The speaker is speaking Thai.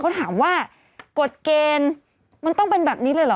เขาถามว่ากฎเกณฑ์มันต้องเป็นแบบนี้เลยเหรอ